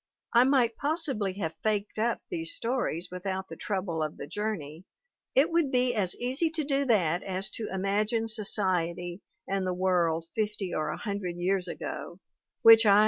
I might possibly have 'faked up' these stories without the trouble of the journey; it would be as easy to do that as to imagine society and the world fifty or a hundred years ago, which I MARY S.